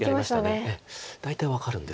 大体分かるんですよね。